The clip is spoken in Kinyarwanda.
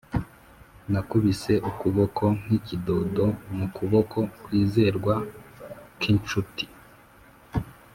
nakubise ukuboko nk'ikidodo mu kuboko kwizerwa k'inshuti.